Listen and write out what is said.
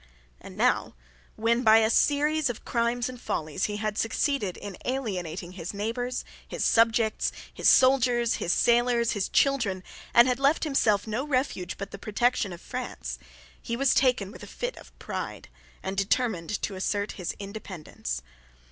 And now when, by a series of crimes and follies, he had succeeded in alienating his neighbours, his subjects, his soldiers, his sailors, his children, and had left himself no refuge but the protection of France, he was taken with a fit of pride, and determined to assert his independence.